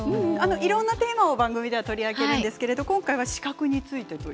いろいろなテーマを取り上げるんですが今回は視覚について。